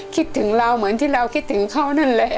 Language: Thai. คิดถึงเราเหมือนที่เราคิดถึงเขานั่นแหละ